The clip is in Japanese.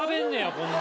こんな。